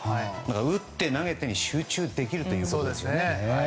打って投げてに集中できるということですよね。